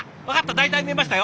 大体見えましたよ！